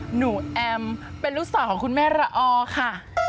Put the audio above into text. แอมเป็นลูกสาวของคุณแม่ระอค่ะ